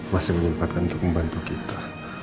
masih menyempatkan untuk membantu kita